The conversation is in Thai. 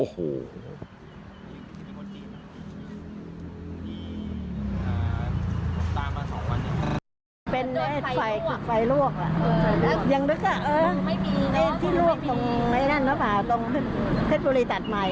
หรือที่ปฤตปริจัยใหม่